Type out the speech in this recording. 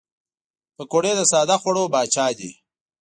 پکورې د ساده خوړو پاچا دي